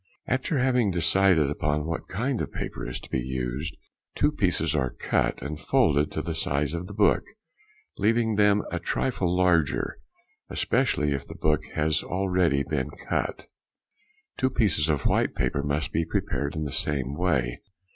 After having decided upon what kind of paper is to be used, two pieces are cut and folded to the size of the book, leaving them a trifle larger, especially if the book has been already cut. Two pieces of white paper must be prepared in the same way.